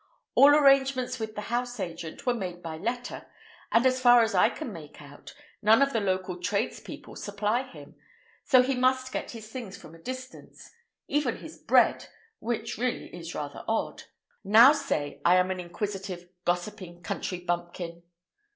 All arrangements with the house agent were made by letter, and, as far as I can make out, none of the local tradespeople supply him, so he must get his things from a distance—even his bread, which really is rather odd. Now say I am an inquisitive, gossiping country bumpkin."